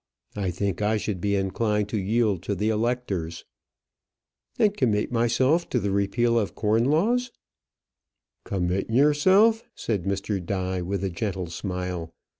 I think I should be inclined to yield to the electors." "And commit myself to the repeal of the corn laws?" "Commit yourself!" said Mr. Die, with a gentle smile.